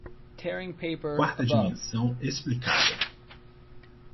Quarta dimensão explicada